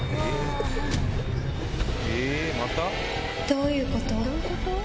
どういうこと？